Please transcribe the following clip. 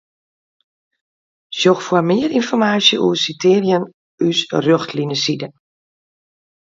Sjoch foar mear ynformaasje oer sitearjen ús Rjochtlineside.